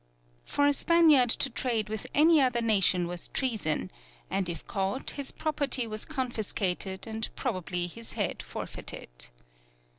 For a Spaniard to trade with any other nation was treason, and if caught, his property was confiscated and probably his head forfeited.